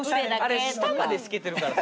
あれ下まで透けてるから。